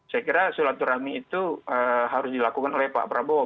saya kira silaturahmi itu harus dilakukan oleh pak prabowo